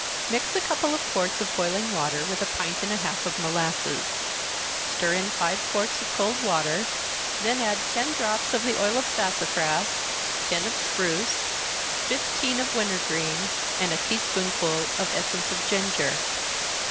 _ Mix a couple of quarts of boiling water with a pint and a half of molasses. Stir in five quarts of cold water, then add ten drops of the oil of sassafras, ten of spruce, fifteen of winter green, and a tea spoonful of essence of ginger.